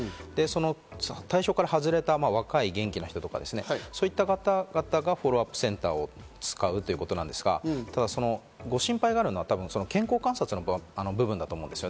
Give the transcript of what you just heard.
その対象から外れた若い元気な人とか、そういった方々がフォローアップセンターを使うということなんですが、ただ、ご心配があるのは健康観察の部分だと思うんです。